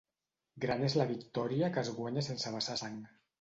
Gran és la victòria que es guanya sense vessar sang.